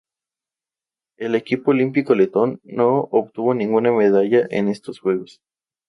El equipo olímpico letón no obtuvo ninguna medallas en estos Juegos.